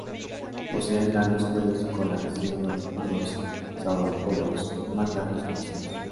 Poseen largos cuellos y colas, siendo los saurópodos más largos conocidos.